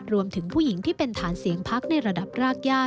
รวมถึงผู้หญิงที่เป็นฐานเสียงพักในระดับรากย่า